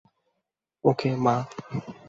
ওকে, মা।